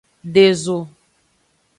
De zo.